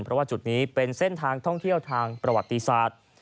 เพราะว่าจุดนี้เป็นเส้นทางท่องเที่ยวทางประวัติศาสตร์